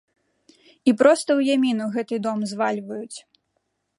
І проста ў яміну гэты дом звальваюць.